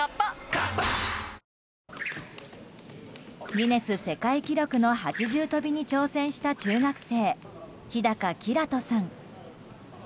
ギネス世界記録の８重跳びに挑戦した中学生、日高煌人さん。